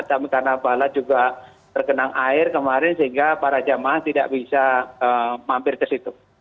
tapi karena balad juga terkenang air kemarin sehingga para jamaah tidak bisa mampir ke situ